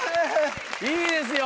いいですよ